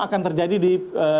akan terjadi di